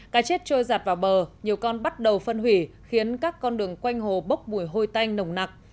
cá chết trôi giặt vào bờ nhiều con bắt đầu phân hủy khiến các con đường quanh hồ bốc mùi hôi tanh nồng nặc